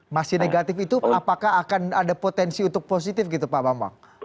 masih negatif itu apakah akan ada potensi untuk positif gitu pak bambang